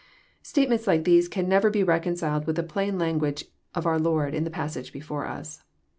'* Statements like these can never be reconciled with the plain language of our Lord in the passage before us.